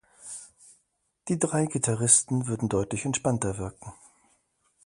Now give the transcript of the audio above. Die drei Gitarristen würden deutlich entspannter wirken.